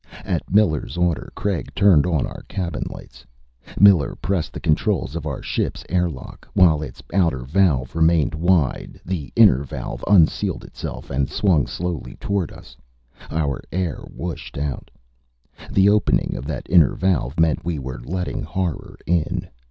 At Miller's order, Craig turned on our cabin lights. Miller pressed the controls of our ship's airlock. While its outer valve remained wide, the inner valve unsealed itself and swung slowly toward us. Our air whooshed out. The opening of that inner valve meant we were letting horror in.